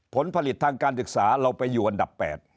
ผลผลิตทางการศึกษาเราไปอยู่อันดับ๘